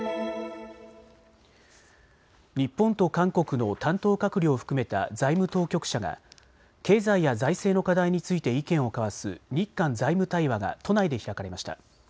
日本と韓国の担当閣僚を含めた財務当局者が経済や財政の課題について意見を交わす日韓財務対話が都内で開かれました。